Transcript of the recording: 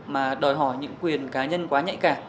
mà đòi hỏi những quyền cá nhân quá nhạy cảm